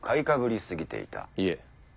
いえ。